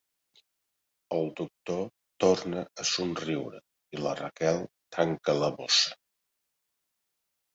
El doctor torna a somriure i la Raquel tanca la bossa.